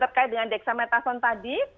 terkait dengan dexamethasone tadi